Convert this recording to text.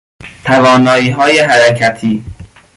تواناییهای حرکتی